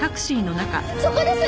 そこです！